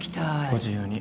ご自由に。